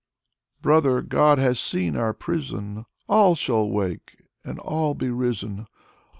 " Brother, God has seen our prison. All shall wake, and all be risen.